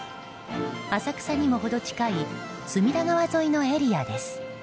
浅草にも程近い隅田川沿いのエリアです。